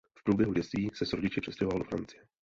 V průběhu dětství se s rodiči přestěhoval do Francie.